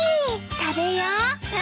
食べよう。